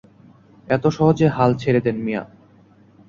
এত সহজে হাল ছেড়ে দেন মিয়া!